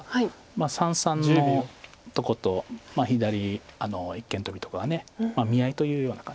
三々のとこと左一間トビとかが見合いというような感じで。